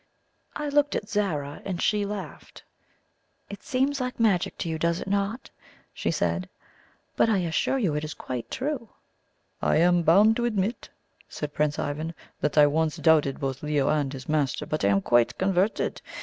I looked at Zara, and she laughed. "It seems like magic to you, does it not?" she said; "but I assure you it is quite true." "I am bound to admit," said Prince Ivan, "that I once doubted both Leo and his master, but I am quite converted.